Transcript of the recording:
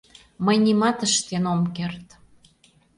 — Мый нимат ыштен ом керт...